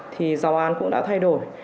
thì giáo án cũng đã thay đổi